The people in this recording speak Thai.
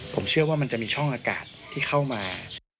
ผมเชื่อว่ามันจะมีช่องอากาศที่เข้ามา